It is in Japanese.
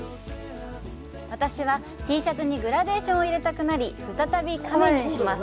私は、Ｔシャツにグラデーションを入れたくなり、再びかめに。